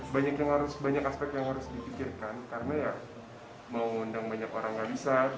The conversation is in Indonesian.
banyak aspek yang harus dipikirkan karena ya mau undang banyak orang nggak bisa